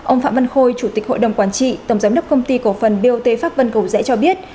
ông phạm văn khôi chủ tịch hội đồng quản trị tổng giám đốc công ty cổ phần bot pháp vân cầu rẽ cho biết